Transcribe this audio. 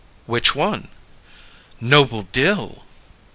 "Which one?" "Noble Dill."